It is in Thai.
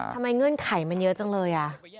เงื่อนไขมันเยอะจังเลย